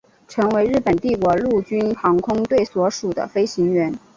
成为日本帝国陆军航空队所属的飞行员。